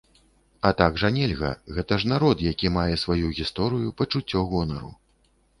А так жа нельга, гэта ж народ, які мае сваю гісторыю, пачуццё гонару.